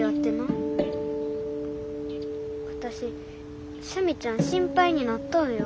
私スミちゃん心配になったんや。